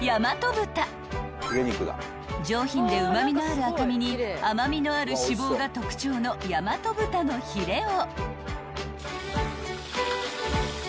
［上品でうま味のある赤身に甘味のある脂肪が特徴のやまと豚のヒレを］